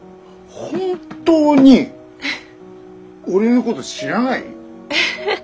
本当に俺のこと知らない？えっ？